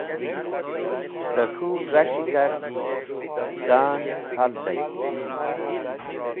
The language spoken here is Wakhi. Da k̃hũ g̃has̃hi kart, da’n haldi.